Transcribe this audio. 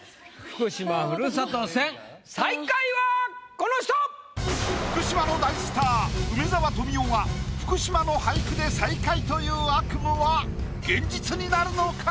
福島の大スター梅沢富美男が福島の俳句で最下位という悪夢は現実になるのか？